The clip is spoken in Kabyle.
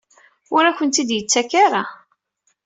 Ur akent-tt-id-yettak ara?